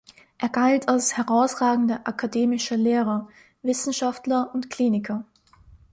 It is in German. Er galt als herausragender akademischer Lehrer, Wissenschaftler und Kliniker.